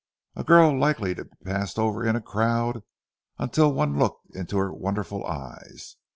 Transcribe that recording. A girl likely to be passed over in a crowd until one looked into her wonderful eyes.